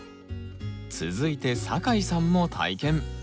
続いて酒井さんも体験。